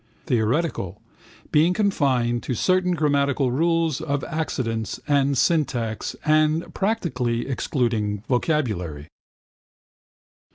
Theoretical, being confined to certain grammatical rules of accidence and syntax and practically excluding vocabulary.